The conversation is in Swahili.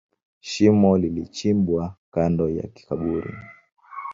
Shimo lilichimbwa kando ya kaburi.